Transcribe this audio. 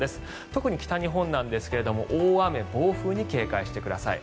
特に北日本なんですが大雨、暴風に警戒してください。